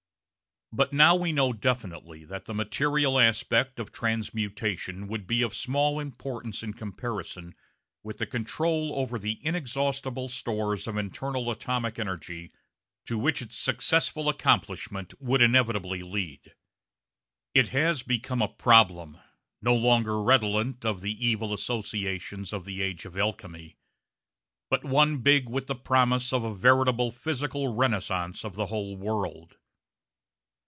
But now we know definitely that the material aspect of transmutation would be of small importance in comparison with the control over the inexhaustible stores of internal atomic energy to which its successful accomplishment would inevitably lead. It has become a problem, no longer redolent of the evil associations of the age of alchemy, but one big with the promise of a veritable physical renaissance of the whole world.